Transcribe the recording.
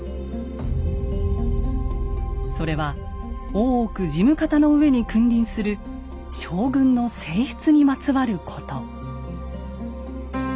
それは大奧事務方の上に君臨する将軍の正室にまつわること。